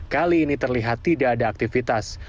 kali ini terlihat tidak ada aktivitas